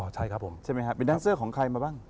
ใช่ครับผมใช่ไหมครับเป็นแดนเซอร์ของใครมาบ้าง